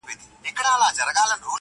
گراني شاعري ستا په خوږ ږغ كي~